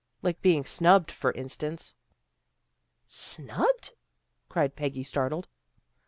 Like being snubbed, for instance." " Snubbed? " cried Peggy, startled.